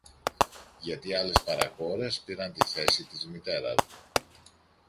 Γιατί άλλες παρακόρες πήραν τη θέση της μητέρας μου